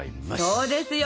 そうですよ！